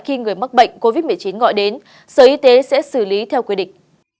khi người mắc bệnh covid một mươi chín gọi đến sở y tế sẽ xử lý theo quy định